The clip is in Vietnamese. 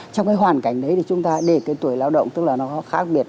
trong cái hoàn cảnh đấy thì chúng ta để cái tuổi lao động tức là nó khác biệt